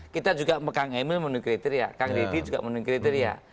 kita juga megang emil memenuhi kriteria kang deddy juga memenuhi kriteria